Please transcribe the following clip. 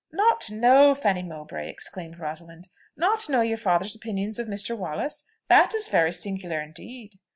"Not know, Fanny Mowbray!" exclaimed Rosalind; "not know your father's opinion of Mr. Wallace! That is very singular indeed."